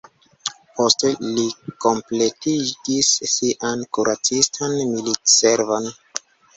Poste li kompletigis sian kuracistan militservon.